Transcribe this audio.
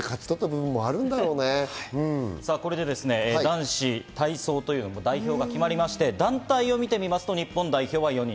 これで男子体操というのも代表が決まりまして、団体を見ると日本代表は４人。